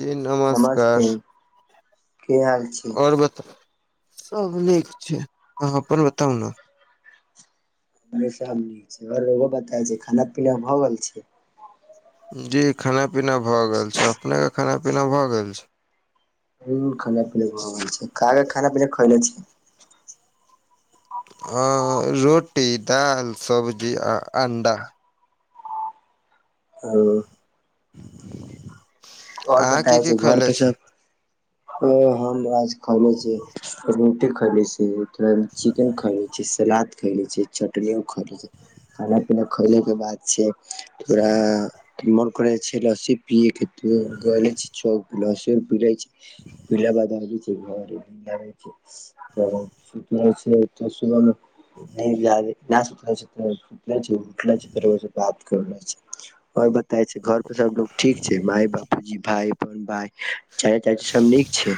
जी नमस्कार। नमस्ते की हाल छी आओर बताउ सब नीक छै अहाँ अपन बताउ ने। षामे नीक छै आरहो बता छै खाना पीना भऽ गेल छै। जी खाना पीना भऽ गेल छै अपने के खाना पीना भए गेल छै, ह खाना पीना ब छै क खाना पीना खाल छी। रोटी दालि सब्जी आ अण्डा। ओ, आओर अहाँ की बताय की छै घर खयले पे छी सब। ओ हमरा खैले छी रोटी खैले छी थोड़ा चिकेन खा लै छी सलाद। खैले छै चटनियो खैले छै खाना पीना खैले के बाद छै। तकरा मन करै छै लस्सी पियएके। गले छै चौक लहसुर पीिले छै। पिलऽ के बाद बाजार छै तऽ सुत रहै छै तऽ सुबह जा जा सुत रहै छै, ओ छै तर बात कर छैर। छै घर पर सभ लोग ठीक छै माय। भइ भाय चच सभ नीक छै,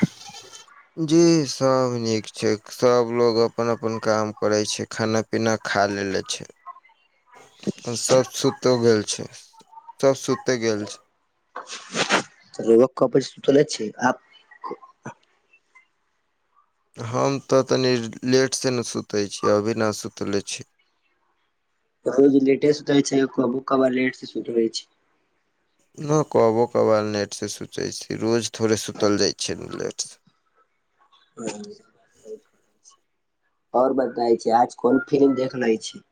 जी सब नीक छै सब लोग अपन अपन काम करै छै खाना। खाना पीना खा लेले छै, आ। सभ सुतो गेल छै सभ सुतो गेल छै। तऽ पै श तऽ नहि छै आ। हम तऽ तनि लेटसँ ने सुतै छी अभी नहि सुतले छी। रोज लेटे सुध होई छैब लेट से सुध रहइ छै, नहि कहबो कबाल नेटसँ सुचै छी रोज थोड़े सुतल जाइ छियै नेटसँ। ओर बताय छै आज कोन फिलिम देख ले छै,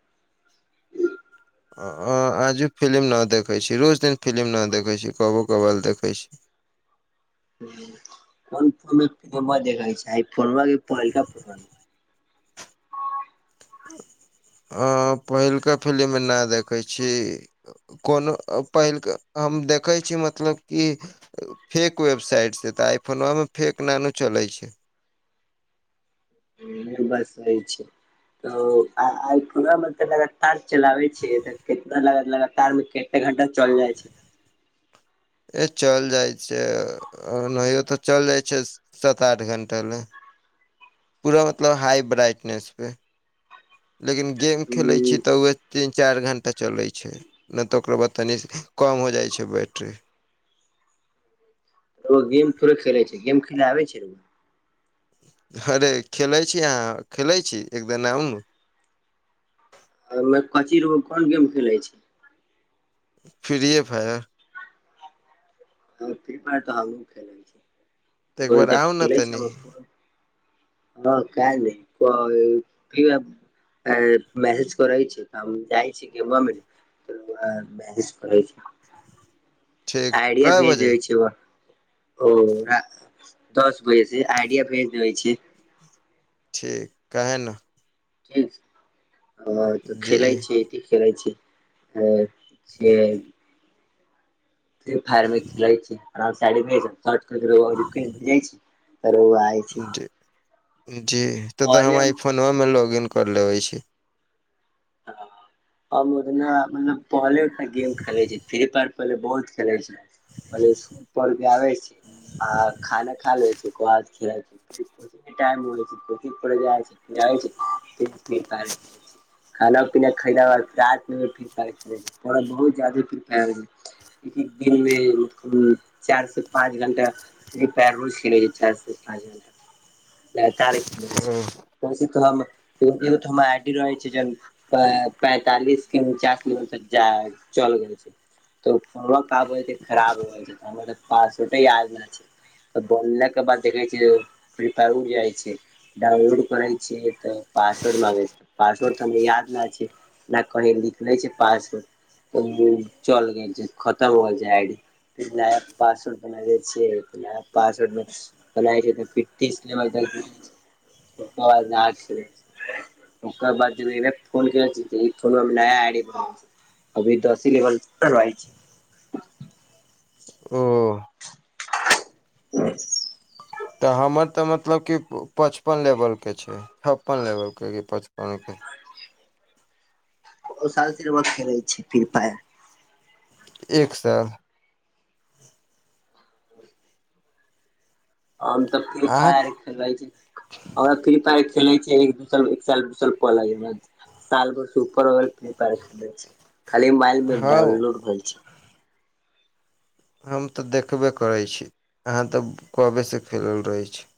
आजू फिलिम नहि देखैत छी रोज दिन फिलिम नहि देखैत छी कबो कबल देखैत छीय कोन फमा देखै छै फो पलक ह पहिलुका फिलिममे नहि देखै छी, कोनो पहिल कऽ हम देखै छी मतलब कि फेक वेबसाइट छै तऽ आई फोन ओहिमे फेक नानू चलै छै, ई बात सही छै तऽ आई फोना मे लगातार चलावे छी तऽ कितना लगातार मे एक घण्टा चाएले जाई छै, चल जाइत छैनाहियो तऽ चल जाइत छै सात आठ घण्डा ले, पूरा मतलब हाई ब्राइटनेसपर लेकिन गेम खेलै हूँ छी तऽ ओएह। तीन चारि घण्टा चलै छै नहि तऽ ओकरो बाद तनी कम हो जाइ छै बैटरी। ओ गेम थोरे खेले छै गेम खेले आब छै, अरे खेलै छी अहाँ खेलै छी एक दना आउ न कचीर कोन गेम खेले छै। Free Fire. तऽ एक बार आउ ने तनि [inaudible] हँ [inaudible] अ मैसेज करै छै तऽ हम जाइ छी कि म [inaudible] करै छै ठीक आइडिया कए भेज बजे देबै छिय ओ। ओ दस बजे से आइडिया भेज देबै छी ठीक काहे न ठीक तऽ जी खेलै छै खेलै छै अ से फ्री फायर मे खेलै छै आराम [inaudible] [inaudible] जी जी त तऽ हम आइ फोनमा मे लॉग इन कर लेबे छी, हम ओतना मतलब पहले सँ गेम खेले छी फ्री फायर पहले बहुत खेलाय छै पहिले सुपर ग आबे छी आ खाना खा लेबै छै ओकरबाद टाइम मिलै छै जाय छै, [inaudible] खाना पीना खयला आर मे भी बहुत चाह एक एक दिनमे मतलब चारि से पाँच घंटा प रोज खेलै छै चारि सँ पाँच घण्टा ल ओ छैैसे तऽ हमहो त हमर आइडी रहै छै, पैंतालिस के उनचास किलोमटर तक जा चल गेल छै त खराब हो छै हमर पास छोटे यद छै, तऽ बोललाक के बाद देखै छै फ्री फायर हो जाइ छै डाउनलोड करै छैिय तऽ पकसवर्ड मगै छै पसवर्ड याद नहि छै ने कहीं लिखले छै पास तब दू चल गेल छै खताा ब जा आ--ु नया पासवर्ड बनाबे छियै नया पासवर्ड मे ब छै तऽ फिटस--चंछंचं घ् बहुत न छै ओकर बाद फोन छी फोन नया आय अभी दस ह लेवल रहै छै। ओ अ तऽ हमर तऽ मतलब कि पच छप्पन लेवल के छै छप्पन लेवल के कि पचपनके ओ साल सर बा खेलै छै फिर पाय एक साल हम तऽ फ्री अहाँ फायर खेलै छी ओरा फ्री फायर खेले छै एक दूस एक साल दू साल सुपर भेलै खाली मोबाइल मे हँ डाउनलोड भेल छी हम तऽ देखबे करै छी अहाँ तऽ कबेसँ खेलल रहै छी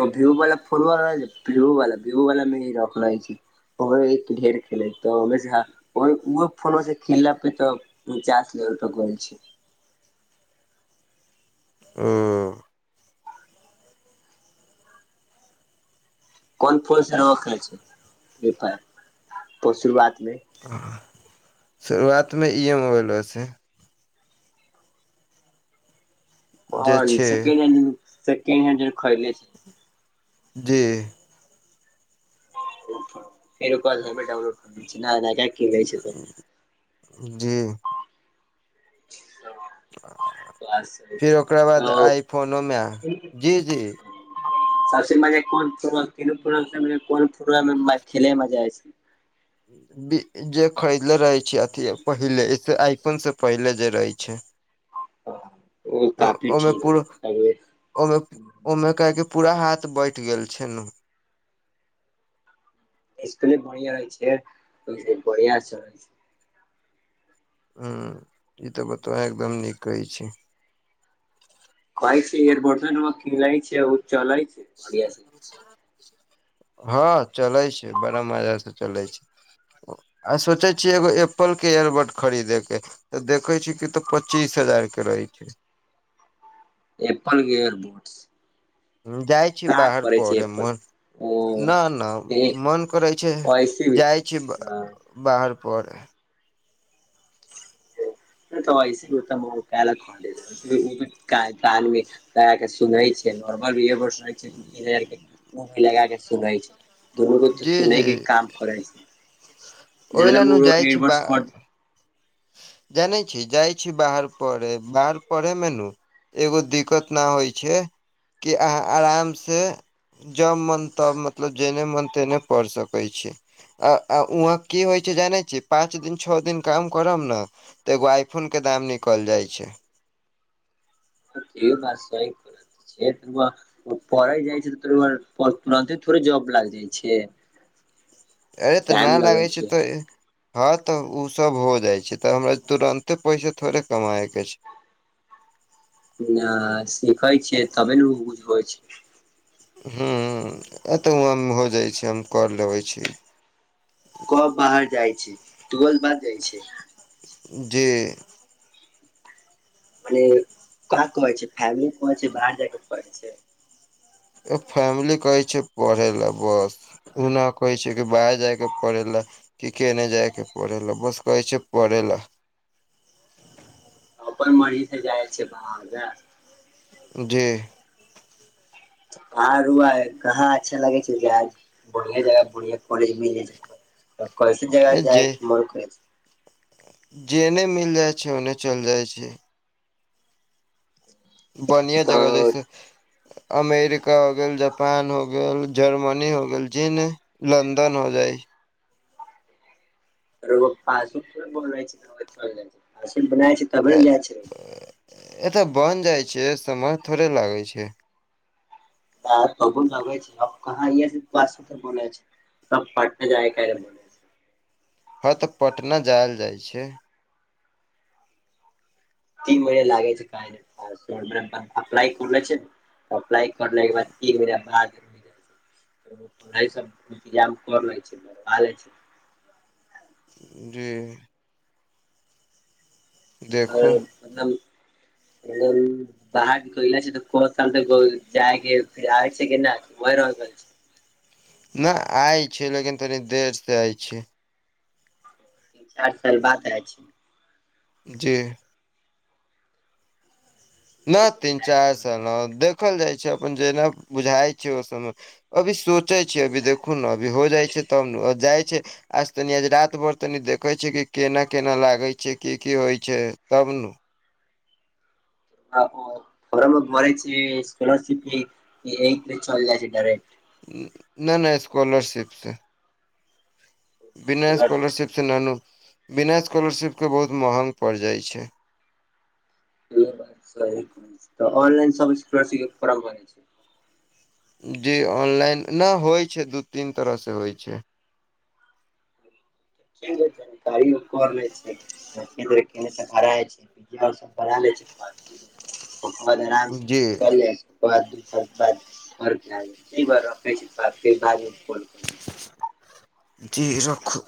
ओ व्यू वाला फोनव व्यू वाला भ्यू वाला मेी रखना हइ छै, ओ एक ढेर खेले तऽ ओ फोनो से खेलला पे तऽ ह चास लेवल पर गोल छी आ कोन फोन से रे छै पशुरआातमे आ [inaudible] शुरुआत मे ई मोबाइल लऽ से जे को छै सेड हैड सेड हैड खरीले छै। जी फेर कलमे डाउनलोड कर दऽ नहि नहि जी। [inaudible] फिर ओकरा बाद तऽ आइ फोन ओमे जी जी। सभसे मजा कोन फुटबल तीनू फटल कोन फुटबलमे खेले मे मजा आई छै। जे खरीदले रहे छी अथी पहिले आई फोन से पहिले जे रहे छै ओ ती ठीक ओहि मे ओहि मे कके पूरा हाथ बैठ गेल छै ने इसकुल बढ़िया रह इ छै बढ़िया चै छै हू ई तऽ बता एकदम नीक कहै छी खाइ छै एर बर्तन ओ खिला छै ओ चल छै बढ़िया से ह चलै छै बड़ा मजा से चलै छै आ सोचे छियै एगो एपल के एयरबड खरीदे के तऽ देखे छी कि तऽ पच्चीस हजार के रहे छै एपल के एयर बोटस जाई छी बाहर पढ़े एप्पल मन ना ओ ना मन करै छै ऐसे भी जाई छी हँ बाहर पर नहि तऽ एहिऐसी तऽ पल ख कानी के सुनै छै नॉर्मल भी तीन हजार के मूवी लगा के सुनै छै दुनू गो तऽ जी सुनै जी के काम जे प ओहि लए नु जाइ ए छी बा [unintelligible] जानै छी जाई छी बाहर पढ़े बाहर पढ़े मे नू एगो दिक्कत नहि होई छै कि अहाँ आरामसँ जब मन तब मतलब जेने मान तेने पढ़ सकैत छै आ वहाँ कि होई छै जानै छी पाँच दिन छओ दिन काम करब ने तऽ एगो आइफोन के दाम निकल जाई छै से बात सही कहलीऐ तर पढ़ै जाई छै तऽ तोर तुरते थोड़े जॉब लागि जाई छै [unintelligible] अरे तऽ टाइम ना लगै लागे छै तऽ हँ तऽ ओ सभ हो जाई छै तऽ हमरा तुरन्ते पैसा थोड़े कमाई के छै ना सिखै छियै तबे ने बुझबै छै हूँ एतहु हम हो जाइत छै हम कर लेबे छी कब बाहर जाई छै तऽ बाद जाई छै जी मने का कहै छै फैमिली कहै छै बाहर जाइके कहै छै फैमिली कहैत छैय पढ़य लए बस ओना ना कहै छै कि बाहर जाय के पड़े लए कि केने जायके पढ़े ला बस कहै छै पढ़ै ला तऽ अपन मी से जाई छै बाग जी। [unintelligible] कहाँ अच्छा लगे छै जाइब बढ़िया जगह बढ़िया कॉलेज जा छै तऽ [inaudible] कैसन जगह जे जाइ मन छै जेने मिल जाइ छै ओने चल जाइ छियै बढ़िआ छै जगह तऽ जैसे अमेरिका हो गेल जापान हो गेल जर्मनी हो गेल जेने लन्दन हो जाइ [unintelligible] ऐ तऽ बन जाइ छै समय थोड़े लागै छै [unintelligible] हऽ तऽ पटना जायल जाइ छै तीन महिने लागे छै काइदै में पासपोर्ट अप्लाय करनै छियै न अप्लाय करने केँ बाद तीन महीना पर आ जतै ना पढ़ाइ सभ इन्तजाम कर लै छी बनबा लै छी [unintelligible] देखू [unintelligible] [unintelligible] ना आय छै लेकिन तनी देर से आय छै तीन चार साल बाद आवै छि जी ना ठीके छै तीन जाइ छै चार बाहर साल ह दे खल जाइ छै अपन जेना बुझाय छै ओ सब मे अभी सोच सोचै छियै अभी देखू न अभी हो जाइ छै तब नु जाइ छै आज तनि आज रात भर तनी देखे छै कि केना केना लागे छै की की होइ छै तब नु [unintelligible] ना ना स्कॉलरशिप से बिना स्कॉलरशिप से ना नू बिना स्कॉलरशिप केँ बहुत महंग पड़ जाइ छै [unintelligible] ऑनलाइन सब स्कॉलरशिप कऽ फोर्म भरै छै जी ऑनलाइन नै होइ छै दू तीन तरह स होइ छै [unintelligible] [unintelligible] ओकर बाद जी दू साल बाद [unintelligible] [unintelligible] जी रखू